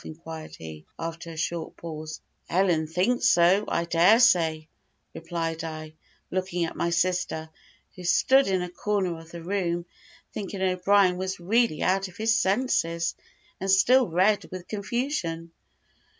inquired he, after a short pause. "Ellen thinks so, I daresay," replied I, looking at my sister, who stood in a corner of the room, thinking O'Brien was really out of his senses, and still red with confusion.